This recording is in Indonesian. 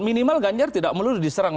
minimal ganjar tidak melulu diserang